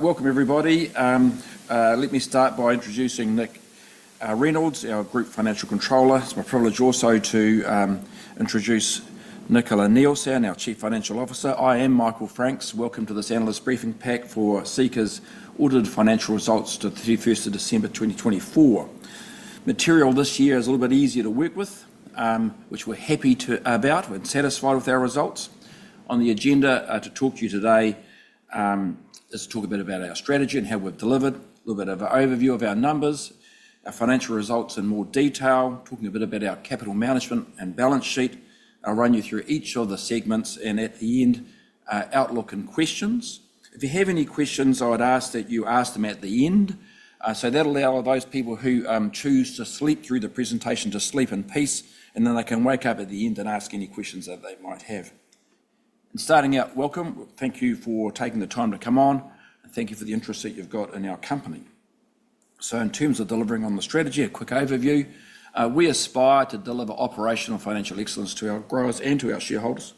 Welcome, everybody. Let me start by introducing Nick Reynolds, our Group Financial Controller. It's my privilege also to introduce Nicola Neilson, our Chief Financial Officer. I am Michael Franks. Welcome to this analyst briefing pack for Seeka's audited financial results to 31st of December 2024. Material this year is a little bit easier to work with, which we're happy about. We're satisfied with our results. On the agenda to talk to you today is to talk a bit about our strategy and how we've delivered, a little bit of an overview of our numbers, our financial results in more detail, talking a bit about our capital management and balance sheet. I'll run you through each of the segments and at the end, outlook and questions. If you have any questions, I would ask that you ask them at the end. That will allow those people who choose to sleep through the presentation to sleep in peace, and then they can wake up at the end and ask any questions that they might have. Starting out, welcome. Thank you for taking the time to come on, and thank you for the interest that you have in our company. In terms of delivering on the strategy, a quick overview. We aspire to deliver operational financial excellence to our growers and to our shareholders.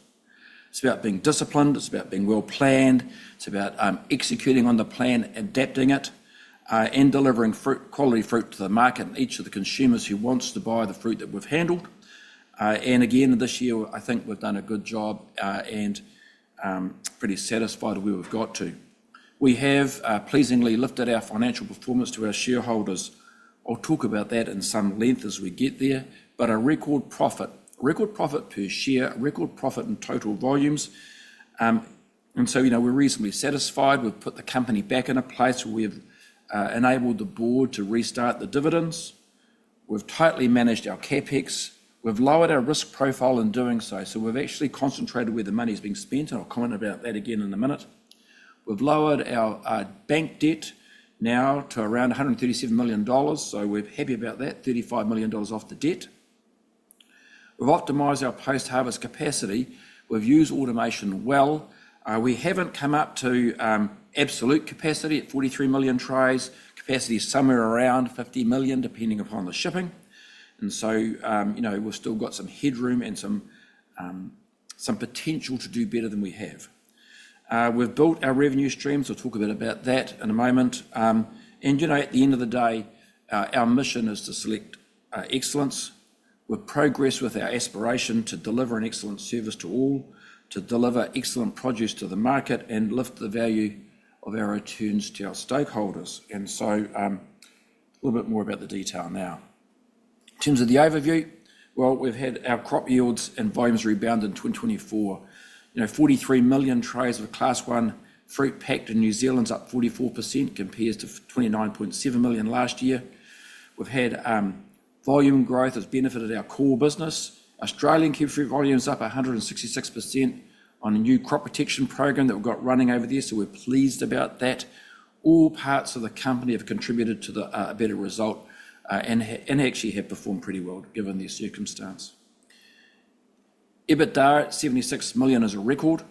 It is about being disciplined. It is about being well-planned. It is about executing on the plan, adapting it, and delivering quality fruit to the market and each of the consumers who wants to buy the fruit that we have handled. Again, this year, I think we have done a good job and are pretty satisfied with where we have got to. We have pleasingly lifted our financial performance to our shareholders. I'll talk about that in some length as we get there, but a record profit, record profit per share, a record profit in total volumes. We are reasonably satisfied. We've put the company back in a place where we've enabled the board to restart the dividends. We've tightly managed our CapEx. We've lowered our risk profile in doing so. We've actually concentrated where the money's being spent, and I'll comment about that again in a minute. We've lowered our bank debt now to around 137 million dollars, so we're happy about that, 35 million dollars off the debt. We've optimised our post-harvest capacity. We've used automation well. We haven't come up to absolute capacity at 43 million trays. Capacity is somewhere around 50 million, depending upon the shipping. We still have some headroom and some potential to do better than we have. We've built our revenue streams. We'll talk a bit about that in a moment. At the end of the day, our mission is to select excellence. We progress with our aspiration to deliver an excellent service to all, to deliver excellent produce to the market, and lift the value of our returns to our stakeholders. A little bit more about the detail now. In terms of the overview, we've had our crop yields and volumes rebound in 2024. 43 million trays of class one fruit packed in New Zealand is up 44% compared to 29.7 million last year. We've had volume growth. It's benefited our core business. Australian kiwifruit volume is up 166% on a new crop protection program that we've got running over there, so we're pleased about that. All parts of the company have contributed to a better result and actually have performed pretty well given their circumstance. EBITDA at 76 million is a record.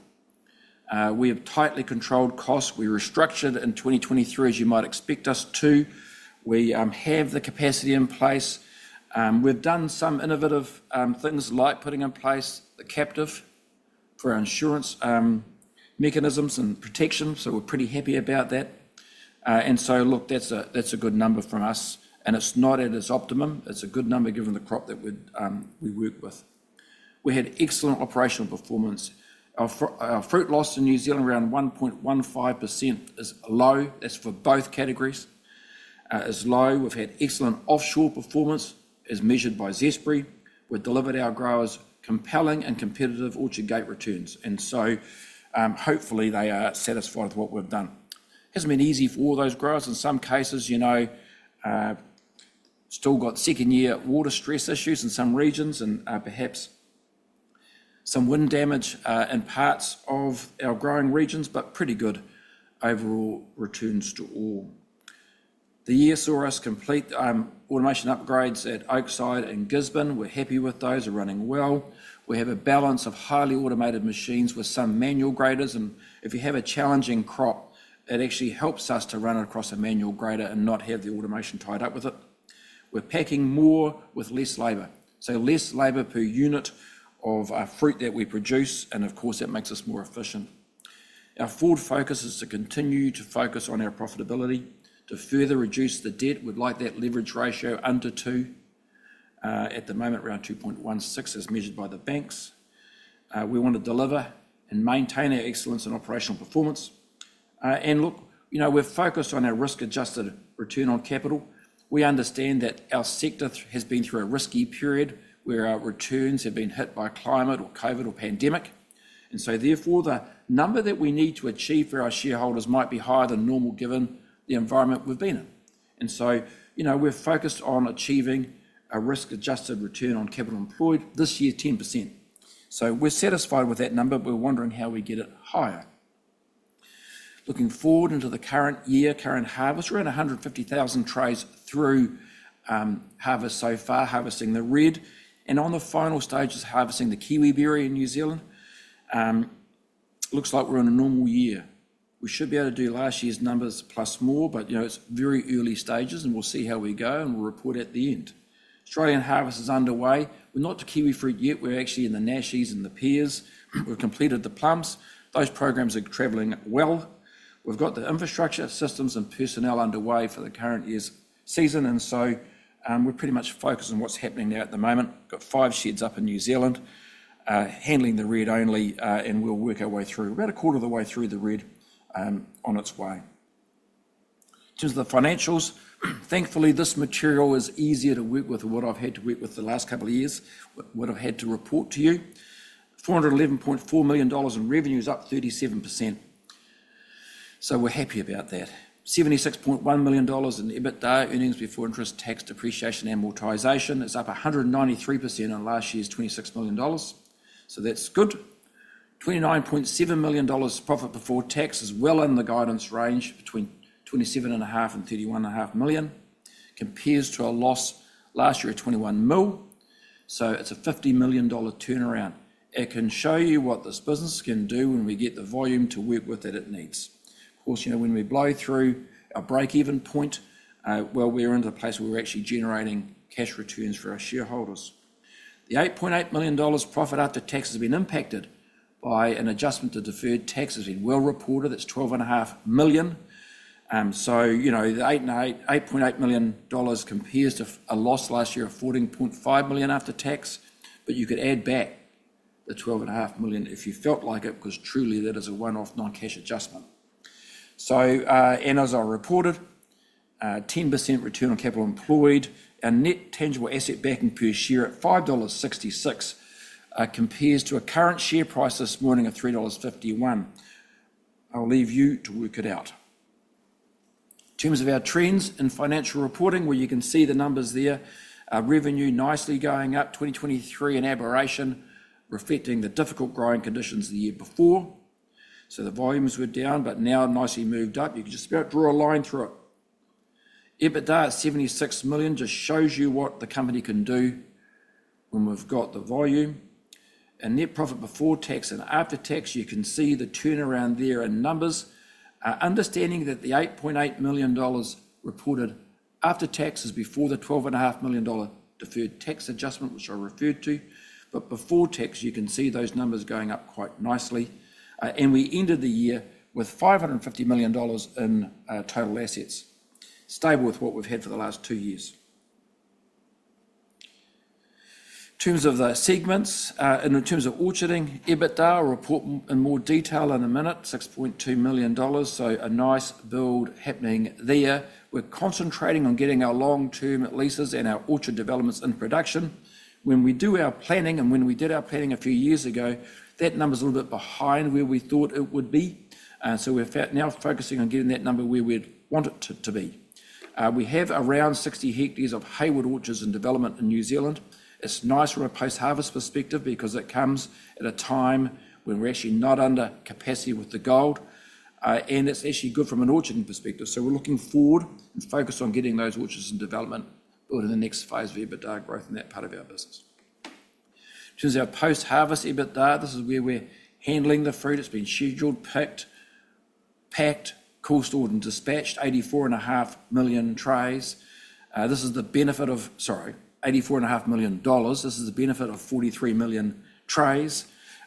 We have tightly controlled costs. We restructured in 2023, as you might expect us to. We have the capacity in place. We've done some innovative things like putting in place the captive for our insurance mechanisms and protection, so we're pretty happy about that. That is a good number from us, and it's not at its optimum. It's a good number given the crop that we work with. We had excellent operational performance. Our fruit loss in New Zealand, around 1.15%, is low. That's for both categories. It's low. We've had excellent offshore performance, as measured by Zespri. We've delivered our growers compelling and competitive Orchard Gate Returns, and hopefully they are satisfied with what we've done. It hasn't been easy for all those growers. In some cases, still got second-year water stress issues in some regions and perhaps some wind damage in parts of our growing regions, but pretty good overall returns to all. The year saw us complete automation upgrades at Oakside and Gisborne. We're happy with those. They're running well. We have a balance of highly automated machines with some manual graders, and if you have a challenging crop, it actually helps us to run across a manual grader and not have the automation tied up with it. We're packing more with less labor, so less labor per unit of fruit that we produce, and of course, that makes us more efficient. Our forward focus is to continue to focus on our profitability, to further reduce the debt. We'd like that leverage ratio under two. At the moment, around 2.16, as measured by the banks. We want to deliver and maintain our excellence and operational performance. Look, we're focused on our risk-adjusted return on capital. We understand that our sector has been through a risky period where our returns have been hit by climate or COVID or pandemic. Therefore, the number that we need to achieve for our shareholders might be higher than normal given the environment we've been in. We're focused on achieving a risk-adjusted return on capital employed. This year, 10%. We're satisfied with that number, but we're wondering how we get it higher. Looking forward into the current year, current harvest, around 150,000 trays through harvest so far, harvesting the red, and on the final stage is harvesting the kiwiberry in New Zealand. Looks like we're in a normal year. We should be able to do last year's numbers plus more, but it's very early stages, and we'll see how we go, and we'll report at the end. Australian harvest is underway. We're not to kiwifruit yet. We're actually in the nashis and the pears. We've completed the plums. Those programs are travelling well. We've got the infrastructure, systems, and personnel underway for the current year's season, and so we're pretty much focused on what's happening there at the moment. We've got five sheds up in New Zealand, handling the red only, and we'll work our way through. We're about a quarter of the way through the red on its way. In terms of the financials, thankfully, this material is easier to work with than what I've had to work with the last couple of years, what I've had to report to you. 411.4 million dollars in revenues, up 37%. We're happy about that. $76.1 million in EBITDA, earnings before interest, tax, depreciation, and amortization. It's up 193% on last year's $26 million, so that's good. $29.7 million profit before tax is well in the guidance range between $27.5 million and $31.5 million, compares to a loss last year of $21 million, so it's a $50 million turnaround. It can show you what this business can do when we get the volume to work with that it needs. Of course, when we blow through our break-even point, we're into a place where we're actually generating cash returns for our shareholders. The $8.8 million profit after tax has been impacted by an adjustment to deferred tax, has been well reported. It's $12.5 million. The $8.8 million compares to a loss last year of $14.5 million after tax, but you could add back the $12.5 million if you felt like it because truly that is a one-off non-cash adjustment. As I reported, 10% return on capital employed. Our net tangible asset backing per share at $5.66 compares to a current share price this morning of $3.51. I'll leave you to work it out. In terms of our trends in financial reporting, where you can see the numbers there, revenue nicely going up, 2023 an aberration, reflecting the difficult growing conditions the year before. The volumes were down, but now nicely moved up. You can just about draw a line through it. EBITDA at $76 million just shows you what the company can do when we've got the volume. Net profit before tax and after tax, you can see the turnaround there in numbers. Understanding that the $8.8 million reported after tax is before the $12.5 million deferred tax adjustment, which I referred to. Before tax, you can see those numbers going up quite nicely. We ended the year with 550 million dollars in total assets, stable with what we've had for the last two years. In terms of the segments, in terms of orcharding, EBITDA report in more detail in a minute, 6.2 million dollars, so a nice build happening there. We're concentrating on getting our long-term leases and our orchard developments in production. When we do our planning and when we did our planning a few years ago, that number's a little bit behind where we thought it would be. We're now focusing on getting that number where we'd want it to be. We have around 60 hectares of Hayward orchards in development in New Zealand. It's nice from a post-harvest perspective because it comes at a time when we're actually not under capacity with the gold, and it's actually good from an orcharding perspective. You know, we're looking forward and focused on getting those orchards in development, building the next phase of EBITDA growth in that part of our business. In terms of our post-harvest EBITDA, this is where we're handling the fruit. It's been scheduled, picked, packed, cost ordered, and dispatched, $84.5 million. This is the benefit of 43 million trays.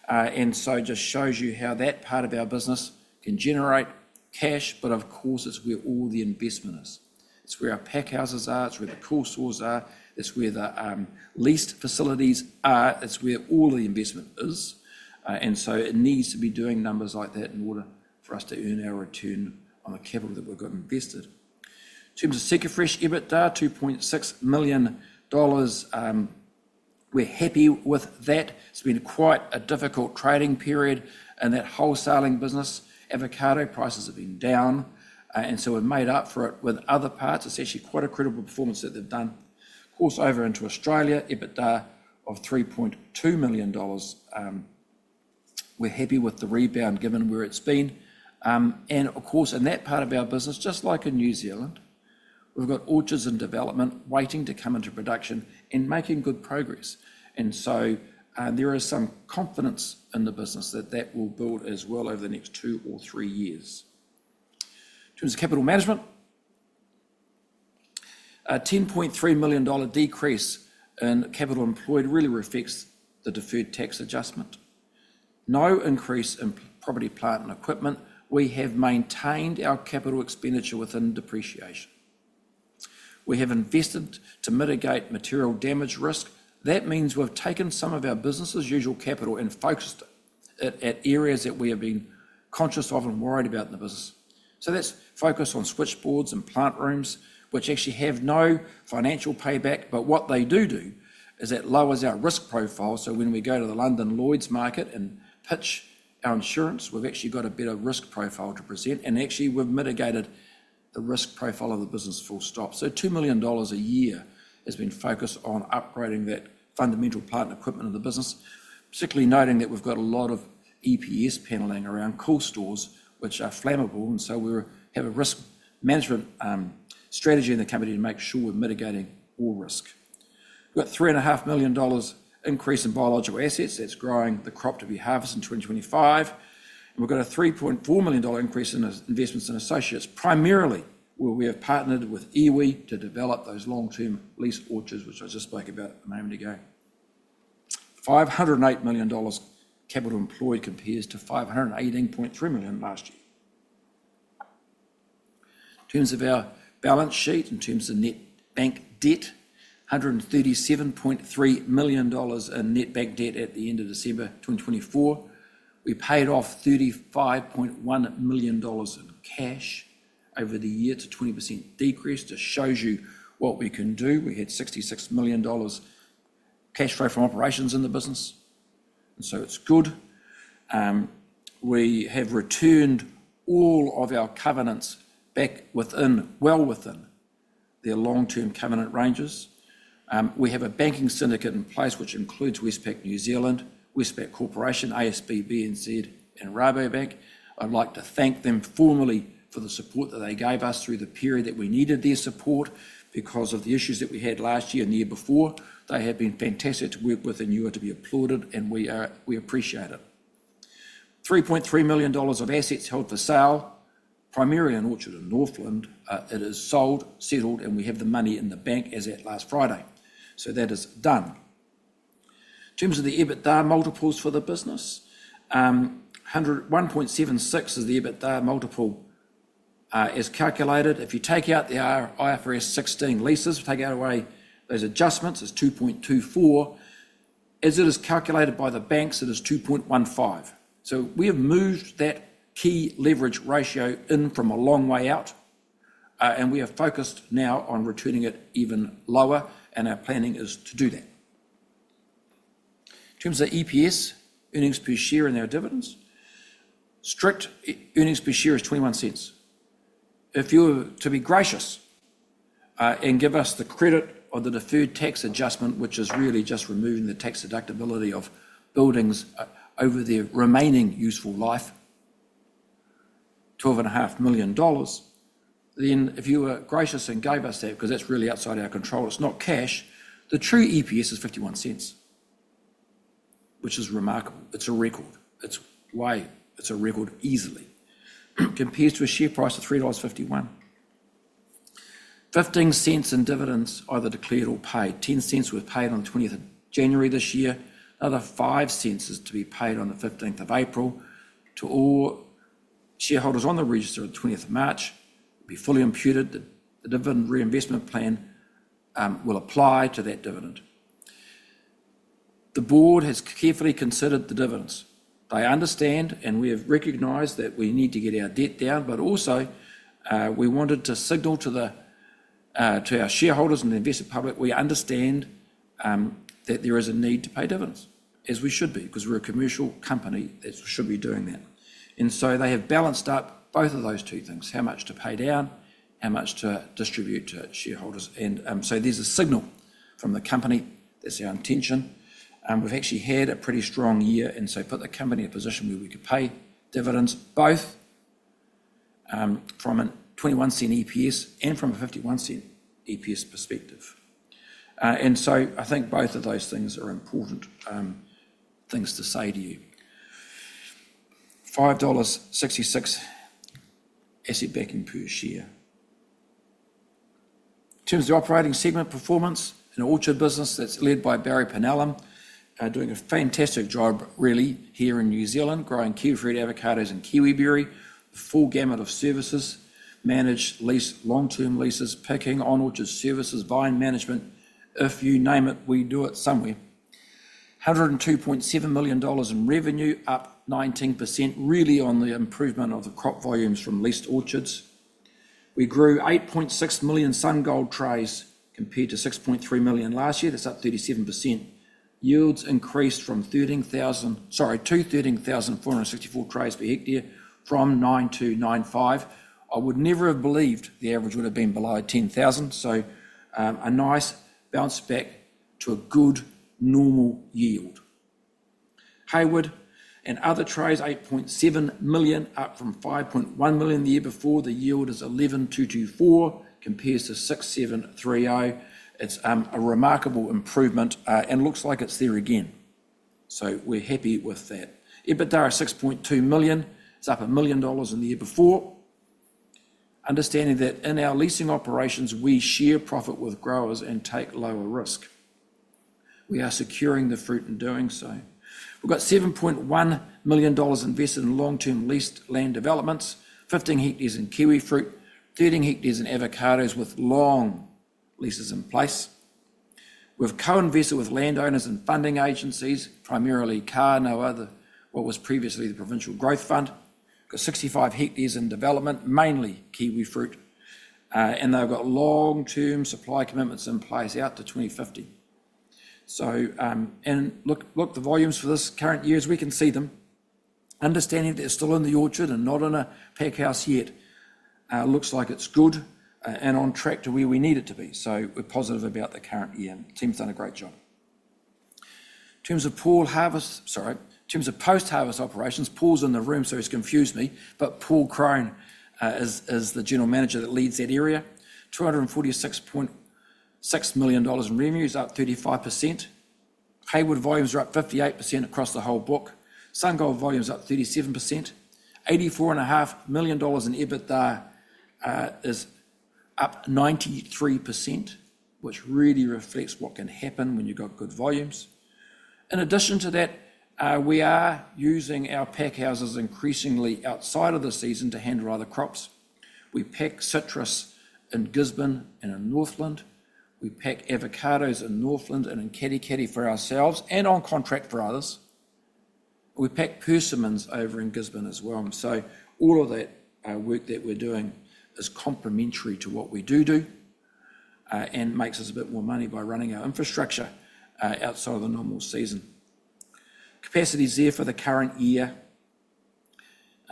It just shows you how that part of our business can generate cash, but of course, it's where all the investment is. It's where our pack houses are. It's where the coolstores are. It's where the leased facilities are. It's where all the investment is. And so it needs to be doing numbers like that in order for us to earn our return on the capital that we've got invested. In terms of SeekaFresh EBITDA, 2.6 million dollars. We're happy with that. It's been quite a difficult trading period in that wholesaling business. Avocado prices have been down, and so we've made up for it with other parts. It's actually quite a credible performance that they've done. Course over into Australia, EBITDA of 3.2 million dollars. We're happy with the rebound given where it's been. In that part of our business, just like in New Zealand, we've got orchards in development waiting to come into production and making good progress. There is some confidence in the business that that will build as well over the next two or three years. In terms of capital management, a 10.3 million dollar decrease in capital employed really reflects the deferred tax adjustment. No increase in property, plant, and equipment. We have maintained our capital expenditure within depreciation. We have invested to mitigate material damage risk. That means we've taken some of our business's usual capital and focused it at areas that we have been conscious of and worried about in the business. That is focused on switchboards and plant rooms, which actually have no financial payback, but what they do do is it lowers our risk profile. When we go to the London Lloyd's market and pitch our insurance, we've actually got a better risk profile to present, and actually we've mitigated the risk profile of the business full stop. $2 million a year has been focused on upgrading that fundamental plant equipment in the business, particularly noting that we've got a lot of EPS panelling around cool stores, which are flammable. We have a risk management strategy in the company to make sure we're mitigating all risk. We've got a $3.5 million increase in biological assets. That's growing the crop to be harvested in 2025. We've got a $3.4 million increase in investments in associates, primarily where we have partnered with iwi to develop those long-term leased orchards, which I just spoke about a moment ago. 508 million dollars capital employed compares to 518.3 million last year. In terms of our balance sheet, in terms of net bank debt, 137.3 million dollars in net bank debt at the end of December 2024. We paid off 35.1 million dollars in cash over the year to a 20% decrease. Just shows you what we can do. We had $66 million cash flow from operations in the business, and so it's good. We have returned all of our covenants back well within their long-term covenant ranges. We have a banking syndicate in place, which includes Westpac New Zealand, Westpac Corporation, ASB, BNZ, and Rabobank. I'd like to thank them formally for the support that they gave us through the period that we needed their support because of the issues that we had last year and the year before. They have been fantastic to work with and you are to be applauded, and we appreciate it. 3.3 million dollars of assets held for sale, primarily an orchard in Northland. It is sold, settled, and we have the money in the bank as at last Friday, so that is done. In terms of the EBITDA multiples for the business, 1.76 is the EBITDA multiple as calculated. If you take out the IFRS 16 leases, take out away those adjustments, it's 2.24. As it is calculated by the banks, it is 2.15. We have moved that key leverage ratio in from a long way out, and we are focused now on returning it even lower, and our planning is to do that. In terms of EPS, earnings per share and our dividends, strict earnings per share is $0.21. If you were to be gracious and give us the credit of the deferred tax adjustment, which is really just removing the tax deductibility of buildings over their remaining useful life, 12.5 million dollars, then if you were gracious and gave us that because that's really outside our control, it's not cash, the true EPS is $0.51, which is remarkable. It's a record. It's a record easily. Compares to a share price of $3.51. 15 cents in dividends either declared or paid. 10 cents were paid on the 20th of January this year. Another 5 cents is to be paid on the 15th of April to all shareholders on the register on the 20th of March. It will be fully imputed. The dividend reinvestment plan will apply to that dividend. The board has carefully considered the dividends. They understand, and we have recognised that we need to get our debt down, but also we wanted to signal to our shareholders and the investment public, we understand that there is a need to pay dividends, as we should be because we're a commercial company that should be doing that. They have balanced up both of those two things, how much to pay down, how much to distribute to shareholders. There is a signal from the company. That is our intention. We have actually had a pretty strong year, and put the company in a position where we could pay dividends both from a $0.21 EPS and from a $0.51 EPS perspective. I think both of those things are important things to say to you. 5.66 asset backing per share. In terms of the operating segment performance, an orchard business that is led by Barry Panhelan doing a fantastic job, really, here in New Zealand, growing kiwifruit, avocados, and kiwiberry, the full gamut of services, managed lease, long-term leases, picking on orchard services, vine management, if you name it, we do it somewhere. 102.7 million dollars in revenue, up 19%, really on the improvement of the crop volumes from leased orchards. We grew 8.6 million SunGold trays compared to 6.3 million last year. That is up 37%. Yields increased from 2,464 trays per hectare from 9 to 9.5. I would never have believed the average would have been below 10,000, so a nice bounce back to a good normal yield. Hayward and other trays, 8.7 million, up from 5.1 million the year before. The yield is 11,224 compared to 6,730. It's a remarkable improvement and looks like it's there again, so we're happy with that. EBITDA is 6.2 million. It's up a million dollars in the year before. Understanding that in our leasing operations, we share profit with growers and take lower risk. We are securing the fruit in doing so. We've got 7.1 million dollars invested in long-term leased land developments, 15 hectares in kiwifruit, 13 hectares in avocados with long leases in place. We've co-invested with landowners and funding agencies, primarily Kānoa, what was previously the Provincial Growth Fund. We've got 65 hectares in development, mainly kiwifruit, and they've got long-term supply commitments in place out to 2050. Look at the volumes for this current year. We can see them. Understanding that they're still in the orchard and not in a pack house yet, it looks like it's good and on track to where we need it to be. We are positive about the current year. The team's done a great job. In terms of post-harvest operations, Paul's in the room, so he's confused me, but Paul Crone is the General Manager that leads that area. 246.6 million dollars in revenues, up 35%. Hayward volumes are up 58% across the whole book. SunGold volumes are up 37%. 84.5 million dollars in EBITDA is up 93%, which really reflects what can happen when you've got good volumes. In addition to that, we are using our pack houses increasingly outside of the season to handle other crops. We pack citrus in Gisborne and in Northland. We pack avocados in Northland and in Katikati for ourselves and on contract for others. We pack persimmons over in Gisborne as well. All of that work that we're doing is complementary to what we do do and makes us a bit more money by running our infrastructure outside of the normal season. Capacity's there for the current year.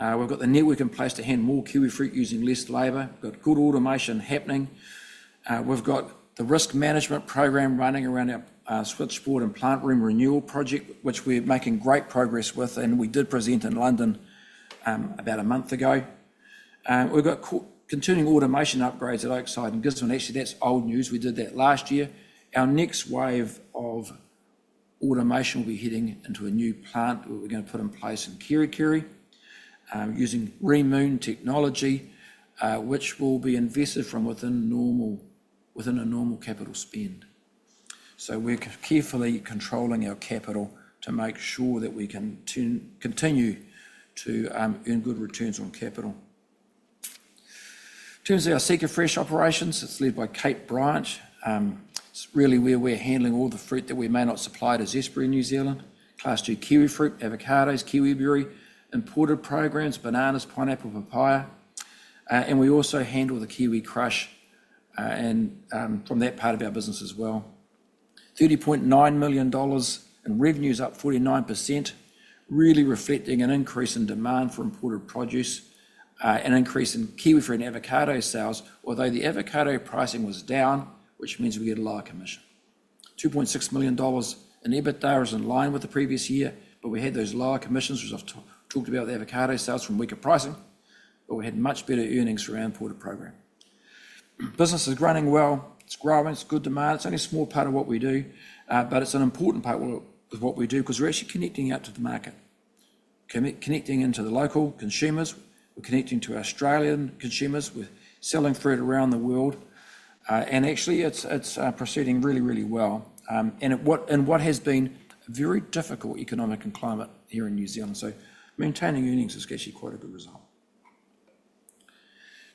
We've got the network in place to hand more kiwifruit using less labor. We've got good automation happening. We've got the risk management program running around our switchboard and plant room renewal project, which we're making great progress with, and we did present in London about a month ago. We've got continuing automation upgrades at Oakside and Gisborne. Actually, that's old news. We did that last year. Our next wave of automation, we're heading into a new plant that we're going to put in place in Kerikeri using Reemoon technology, which will be invested from within a normal capital spend. We are carefully controlling our capital to make sure that we can continue to earn good returns on capital. In terms of our SeekaFresh operations, it's led by Kate Branch. It's really where we're handling all the fruit that we may not supply to Zespri in New Zealand, class two kiwifruit, avocados, kiwiberry, imported programs, bananas, pineapple, papaya. We also handle the iwiCrush from that part of our business as well. 30.9 million dollars in revenues, up 49%, really reflecting an increase in demand for imported produce, an increase in kiwifruit and avocado sales, although the avocado pricing was down, which means we had a lower commission. $2.6 million in EBITDA is in line with the previous year, but we had those lower commissions, which I've talked about, the avocado sales from weaker pricing, but we had much better earnings around the imported program. Business is running well. It's growing. It's good demand. It's only a small part of what we do, but it's an important part of what we do because we're actually connecting out to the market, connecting into the local consumers. We're connecting to Australian consumers. We're selling fruit around the world. Actually, it's proceeding really, really well. What has been a very difficult economic environment here in New Zealand. Maintaining earnings is actually quite a good result.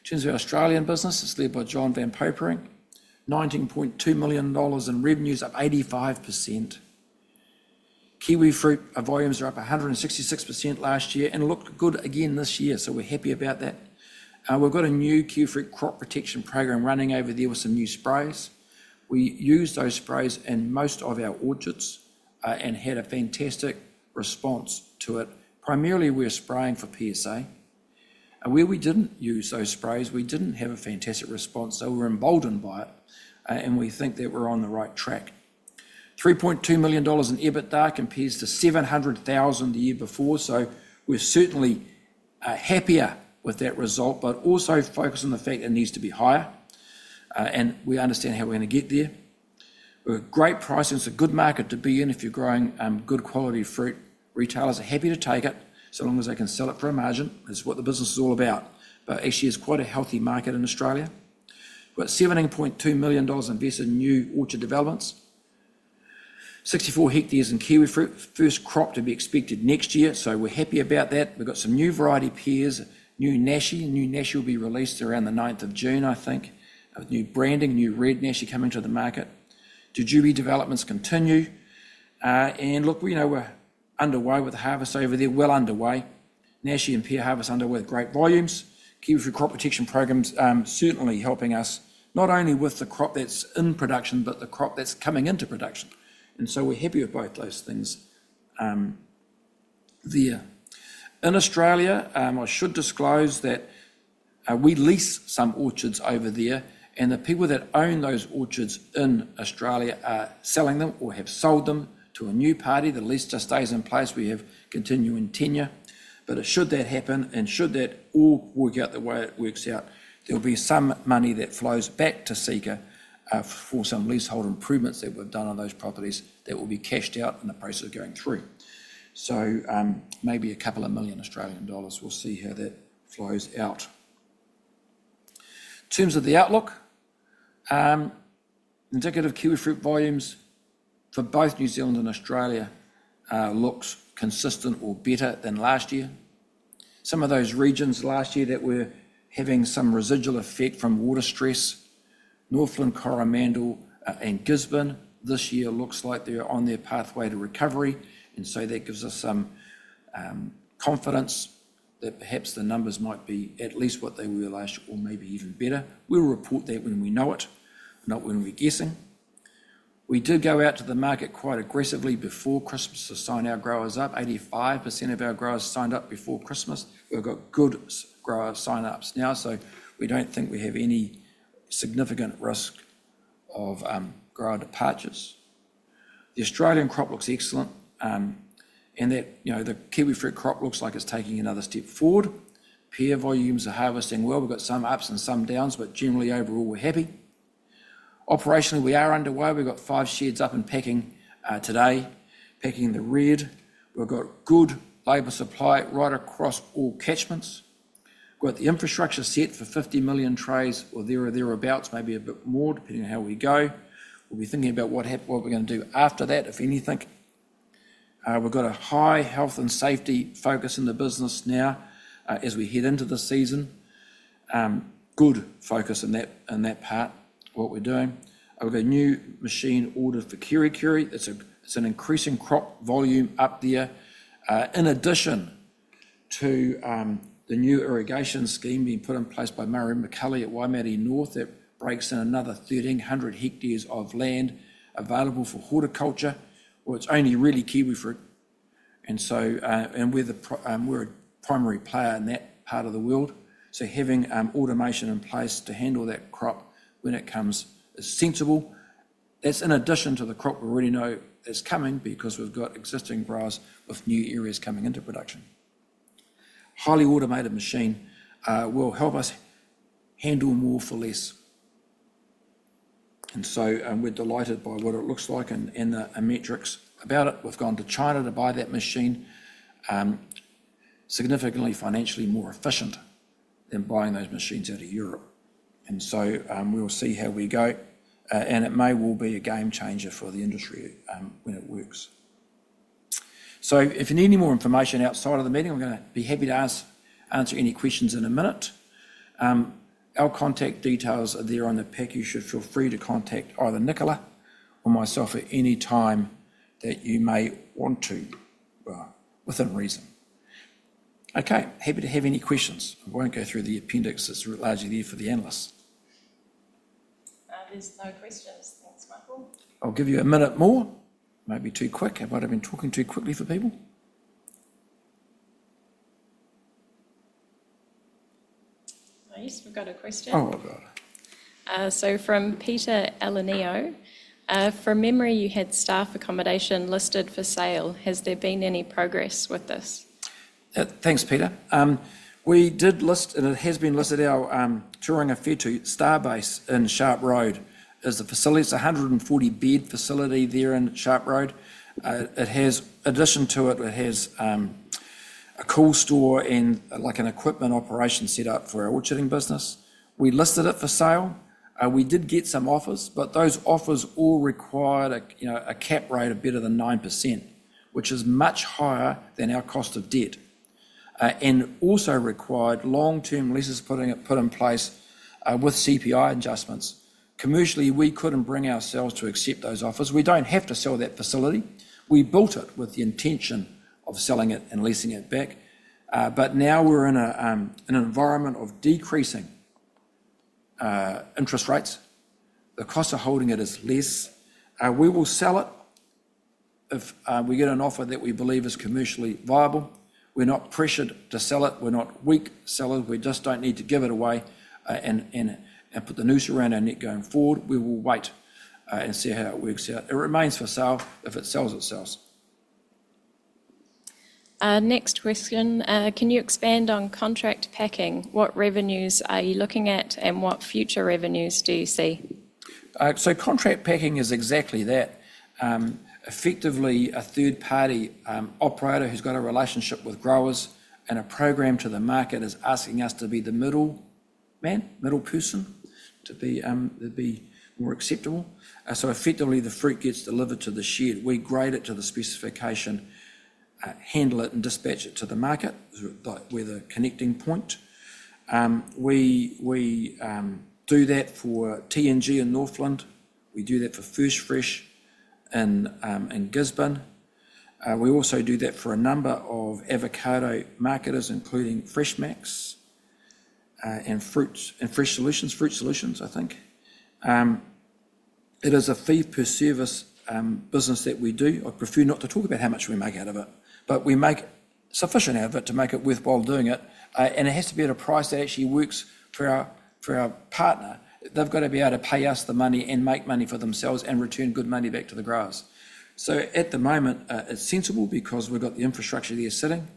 In terms of our Australian business, it's led by John van Peperzeel. $19.2 million in revenues, up 85%. Kiwifruit volumes are up 166% last year and looked good again this year, so we're happy about that. We've got a new kiwifruit crop protection program running over there with some new sprays. We use those sprays in most of our orchards and had a fantastic response to it. Primarily, we're spraying for PSA. Where we didn't use those sprays, we didn't have a fantastic response. We're emboldened by it, and we think that we're on the right track. 3.2 million dollars in EBITDA compares to 700,000 the year before, so we're certainly happier with that result, but also focus on the fact it needs to be higher, and we understand how we're going to get there. We're at great pricing. It's a good market to be in if you're growing good quality fruit. Retailers are happy to take it so long as they can sell it for a margin. That's what the business is all about. Actually, it's quite a healthy market in Australia. We've got 17.2 million dollars invested in new orchard developments, 64 hectares in kiwifruit, first crop to be expected next year, so we're happy about that. We've got some new variety pears, new nashi. New nashi will be released around the 9th of June, I think, with new branding, new red nashi coming to the market. Jujube developments continue. Look, we're underway with harvest over there, well underway. Nashi and pear harvest underway with great volumes. Kiwifruit crop protection program's certainly helping us, not only with the crop that's in production, but the crop that's coming into production. We're happy with both those things there. In Australia, I should disclose that we lease some orchards over there, and the people that own those orchards in Australia are selling them or have sold them to a new party. The lease just stays in place. We have continuing tenure. Should that happen, and should that all work out the way it works out, there will be some money that flows back to Seeka for some leasehold improvements that we have done on those properties that will be cashed out in the process of going through. Maybe a couple of million AUD. We will see how that flows out. In terms of the outlook, indicative kiwifruit volumes for both New Zealand and Australia look consistent or better than last year. Some of those regions last year that were having some residual effect from water stress, Northland, Coromandel, and Gisborne, this year looks like they're on their pathway to recovery. That gives us some confidence that perhaps the numbers might be at least what they were last year or maybe even better. We will report that when we know it, not when we're guessing. We did go out to the market quite aggressively before Christmas to sign our growers up. 85% of our growers signed up before Christmas. We've got good grower sign-ups now, so we do not think we have any significant risk of grower departures. The Australian crop looks excellent, and the kiwifruit crop looks like it's taking another step forward. Pear volumes are harvesting well. We've got some ups and some downs, but generally, overall, we're happy. Operationally, we are underway. We've got five sheds up and packing today, packing the red. We've got good labor supply right across all catchments. We've got the infrastructure set for 50 million trays or thereabouts, maybe a bit more depending on how we go. We'll be thinking about what we're going to do after that, if anything. We've got a high health and safety focus in the business now as we head into the season. Good focus in that part, what we're doing. We've got a new machine ordered for Kerikeri. It's an increasing crop volume up there. In addition to the new irrigation scheme being put in place by Murray McCully at Waimate North, that breaks in another 1,300 hectares of land available for horticulture, which only really kiwifruit. And we're a primary player in that part of the world. Having automation in place to handle that crop when it comes is sensible. That is in addition to the crop we already know is coming because we have existing growers with new areas coming into production. Highly automated machine will help us handle more for less. We are delighted by what it looks like and the metrics about it. We have gone to China to buy that machine. Significantly financially more efficient than buying those machines out of Europe. We will see how we go, and it may well be a game changer for the industry when it works. If you need any more information outside of the meeting, I am going to be happy to answer any questions in a minute. Our contact details are there on the pack. You should feel free to contact either Nicola or myself at any time that you may want to within reason. Okay. Happy to have any questions. I will not go through the appendix. It is largely there for the analysts. There are no questions. Thanks, Michael. I will give you a minute more. Maybe too quick. I might have been talking too quickly for people. Yes, we have a question. Oh, I have it. From Peter Alenio. From memory, you had staff accommodation listed for sale. Has there been any progress with this? Thanks, Peter. We did list, and it has been listed, our Tōranga Whetū starbase in Sharp Road. It is a facility. It is a 140-bed facility there in Sharp Road. In addition to it, it has a cool store and an equipment operation set up for our orcharding business. We listed it for sale. We did get some offers, but those offers all required a cap rate of better than 9%, which is much higher than our cost of debt, and also required long-term leases put in place with CPI adjustments. Commercially, we couldn't bring ourselves to accept those offers. We don't have to sell that facility. We built it with the intention of selling it and leasing it back. Now we're in an environment of decreasing interest rates. The cost of holding it is less. We will sell it if we get an offer that we believe is commercially viable. We're not pressured to sell it. We're not weak sellers. We just don't need to give it away and put the noose around our neck going forward. We will wait and see how it works out. It remains for sale if it sells itself. Next question. Can you expand on contract packing? What revenues are you looking at, and what future revenues do you see? Contract packing is exactly that. Effectively, a third-party operator who's got a relationship with growers and a program to the market is asking us to be the middleman, middle person, to be more acceptable. Effectively, the fruit gets delivered to the shed. We grade it to the specification, handle it, and dispatch it to the market, but with a connecting point. We do that for T&G in Northland. We do that for First Fresh in Gisborne. We also do that for a number of avocado marketers, including Freshmax and Fruit Solutions, Fruit Solutions, I think. It is a fee-per-service business that we do. I prefer not to talk about how much we make out of it, but we make sufficient out of it to make it worthwhile doing it. It has to be at a price that actually works for our partner. They've got to be able to pay us the money and make money for themselves and return good money back to the growers. At the moment, it's sensible because we've got the infrastructure there sitting.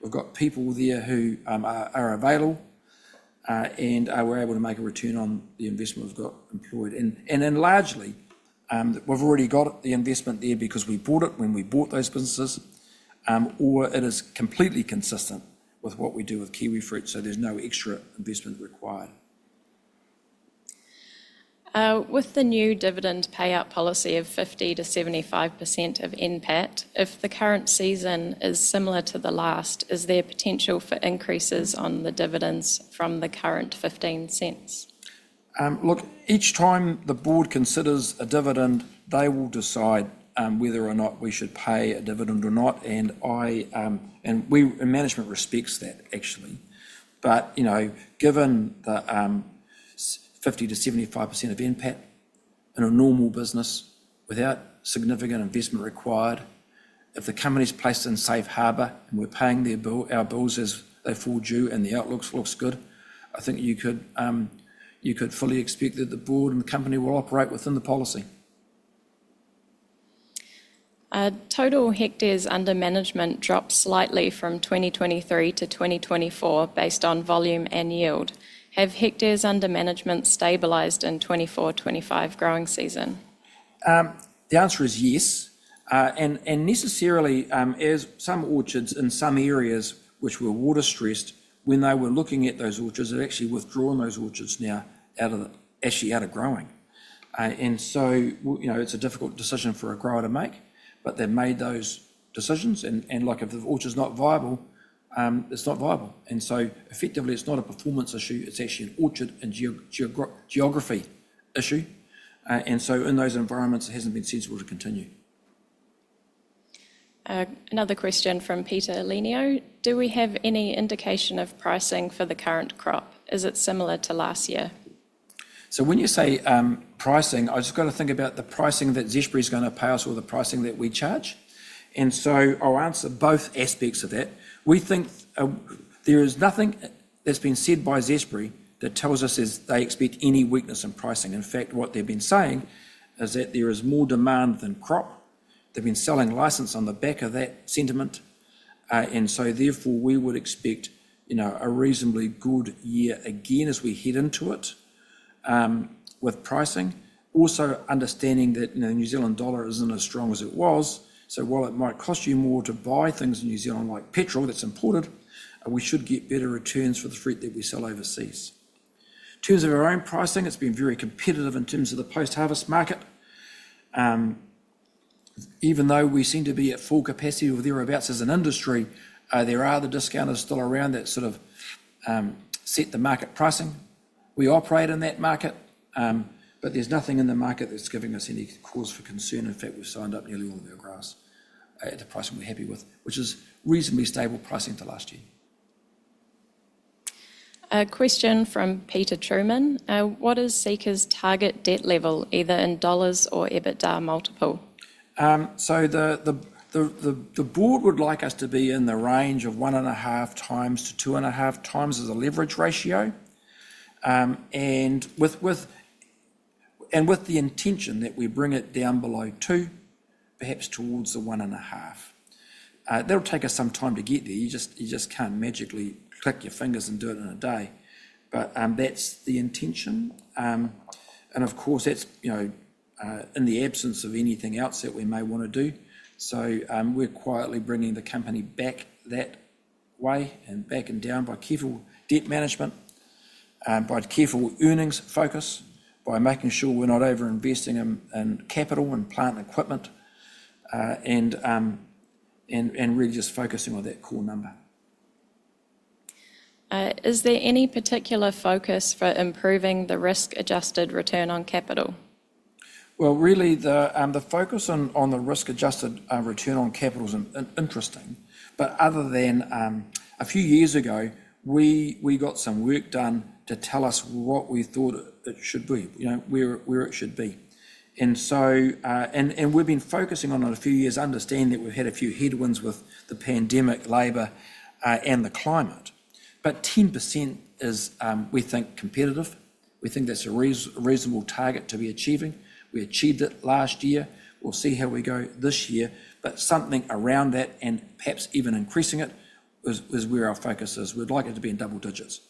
We've got people there who are available, and we're able to make a return on the investment we've got employed. Largely, we've already got the investment there because we bought it when we bought those businesses, or it is completely consistent with what we do with kiwifruit, so there's no extra investment required. With the new dividend payout policy of 50-75% of NPAT, if the current season is similar to the last, is there potential for increases on the dividends from the current $0.15? Look, each time the board considers a dividend, they will decide whether or not we should pay a dividend or not. Management respects that, actually. Given the 50-75% of NPAT in a normal business without significant investment required, if the company is placed in safe harbor and we are paying our bills as they fall due, and the outlook looks good, I think you could fully expect that the board and the company will operate within the policy. Total hectares under management dropped slightly from 2023 to 2024 based on volume and yield. Have hectares under management stabilized in the 2024-2025 growing season? The answer is yes. Necessarily, as some orchards in some areas which were water stressed, when they were looking at those orchards, they have actually withdrawn those orchards now, actually out of growing. It is a difficult decision for a grower to make, but they have made those decisions. If the orchard is not viable, it is not viable. Effectively, it is not a performance issue. It is actually an orchard and geography issue. In those environments, it has not been sensible to continue. Another question from Peter Alenio. Do we have any indication of pricing for the current crop? Is it similar to last year? When you say pricing, I have just got to think about the pricing that Zespri is going to pay us or the pricing that we charge. I will answer both aspects of that. We think there is nothing that has been said by Zespri that tells us they expect any weakness in pricing. In fact, what they have been saying is that there is more demand than crop. They have been selling license on the back of that sentiment. Therefore, we would expect a reasonably good year again as we head into it with pricing. Also understanding that the New Zealand dollar isn't as strong as it was. While it might cost you more to buy things in New Zealand like petrol that's imported, we should get better returns for the fruit that we sell overseas. In terms of our own pricing, it's been very competitive in terms of the post-harvest market. Even though we seem to be at full capacity or thereabouts as an industry, there are the discounters still around that sort of set the market pricing. We operate in that market, but there's nothing in the market that's giving us any cause for concern. In fact, we've signed up nearly all of our growers at a price we're happy with, which is reasonably stable pricing for last year. Question from Peter Truman. What is Seeka's target debt level, either in dollars or EBITDA multiple? The board would like us to be in the range of one and a half times to two and a half times as a leverage ratio, with the intention that we bring it down below two, perhaps towards the one and a half. That will take us some time to get there. You just cannot magically click your fingers and do it in a day. That is the intention. Of course, that is in the absence of anything else that we may want to do. We are quietly bringing the company back that way and back and down by careful debt management, by careful earnings focus, by making sure we are not over-investing in capital and plant equipment, and really just focusing on that core number. Is there any particular focus for improving the risk-adjusted return on capital? The focus on the risk-adjusted return on capital is interesting. Other than a few years ago, we got some work done to tell us what we thought it should be, where it should be. We have been focusing on it a few years, understanding that we have had a few headwinds with the pandemic, labor, and the climate. 10% is, we think, competitive. We think that is a reasonable target to be achieving. We achieved it last year. We will see how we go this year. Something around that and perhaps even increasing it is where our focus is. We would like it to be in double digits.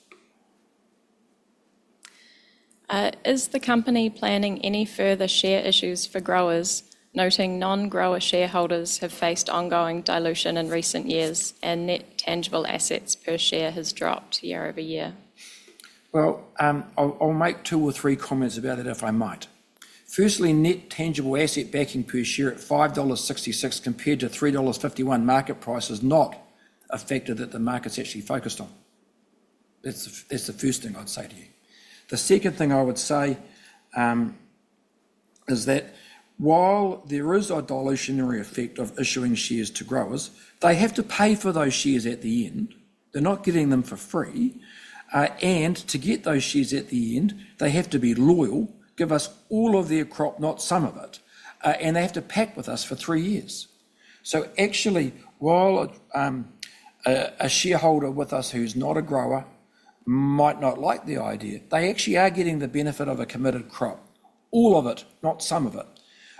Is the company planning any further share issues for growers, noting non-grower shareholders have faced ongoing dilution in recent years and net tangible assets per share has dropped year over year? I'll make two or three comments about it if I might. Firstly, net tangible asset backing per share at 5.66 dollars compared to 3.51 dollars market price is not a factor that the market's actually focused on. That's the first thing I'd say to you. The second thing I would say is that while there is a dilutionary effect of issuing shares to growers, they have to pay for those shares at the end. They're not getting them for free. To get those shares at the end, they have to be loyal, give us all of their crop, not some of it. They have to pack with us for three years. Actually, while a shareholder with us who's not a grower might not like the idea, they actually are getting the benefit of a committed crop. All of it, not some of it.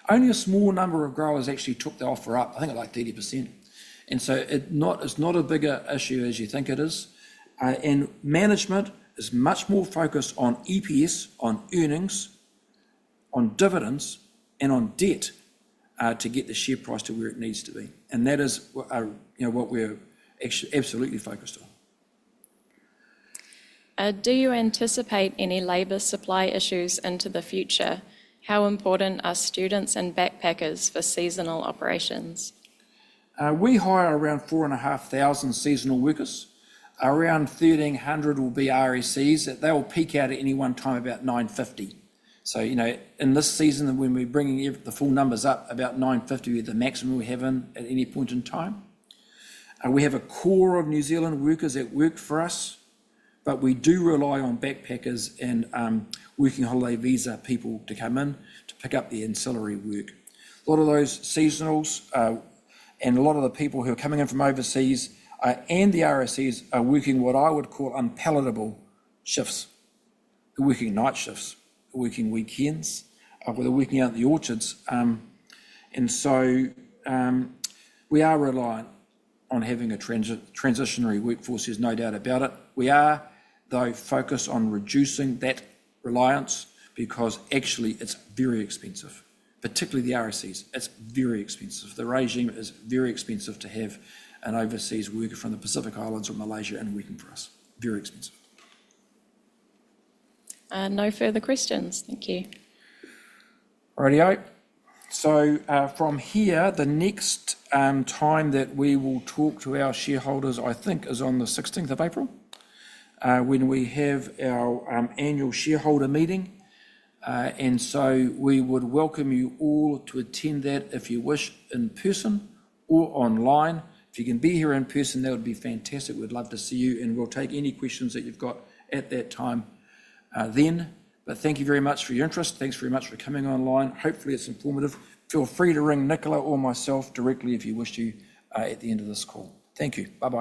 Only a small number of growers actually took the offer up. I think like 30%. It is not a bigger issue as you think it is. Management is much more focused on EPS, on earnings, on dividends, and on debt to get the share price to where it needs to be. That is what we are actually absolutely focused on. Do you anticipate any labor supply issues into the future? How important are students and backpackers for seasonal operations? We hire around 4,500 seasonal workers. Around 1,300 will be RSEs. They will peak out at any one time at about 950. In this season, when we are bringing the full numbers up, about 950 is the maximum we have in at any point in time. We have a core of New Zealand workers that work for us, but we do rely on backpackers and working holiday visa people to come in to pick up the ancillary work. A lot of those seasonals and a lot of the people who are coming in from overseas and the RSEs are working what I would call unpalatable shifts. They're working night shifts. They're working weekends. They're working out in the orchards. We are reliant on having a transitionary workforce, there's no doubt about it. We are, though, focused on reducing that reliance because actually, it's very expensive. Particularly the RSEs. It's very expensive. The regime is very expensive to have an overseas worker from the Pacific Islands or Malaysia and working for us. Very expensive. No further questions. Thank you. Righty. From here, the next time that we will talk to our shareholders, I think, is on the 16th of April when we have our annual shareholder meeting. We would welcome you all to attend that if you wish in person or online. If you can be here in person, that would be fantastic. We'd love to see you. We'll take any questions that you've got at that time then. Thank you very much for your interest. Thanks very much for coming online. Hopefully, it's informative. Feel free to ring Nicola or myself directly if you wish to at the end of this call. Thank you. Bye-bye.